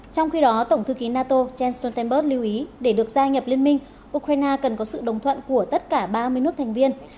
trong khi đó tổng thư ký nato jens stoltenberg lưu ý để được gia nhập liên minh ukraine cần có sự đồng thuận của tất cả ba mươi nước thành viên